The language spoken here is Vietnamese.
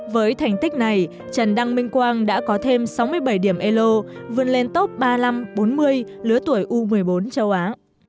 với thành tích này trần đăng minh quang đã có thêm sáu mươi bảy điểm elo vươn lên top ba mươi năm bốn mươi lứa tuổi u một mươi bốn châu á